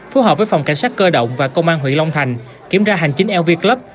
phù hợp với phòng cảnh sát cơ động và công an huyện long thành kiểm tra hành chính lvi club